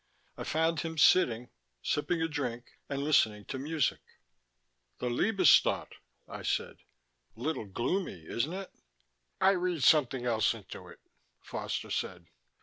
I found him sitting, sipping a drink and listening to music. "The Liebestodt," I said. "A little gloomy, isn't it?" "I read something else into it," Foster said.